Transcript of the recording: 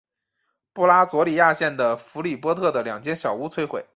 布拉佐里亚县的弗里波特的两间小屋摧毁。